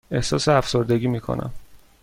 احساس افسردگی می کنم.